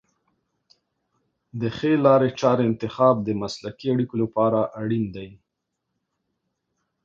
د ښې لارې چارې انتخاب د مسلکي اړیکو لپاره اړین دی.